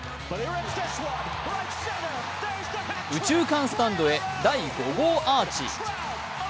右中間スタンドへ第５号アーチ。